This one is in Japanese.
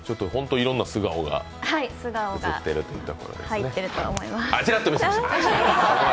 いろんな素顔が写っているということですね。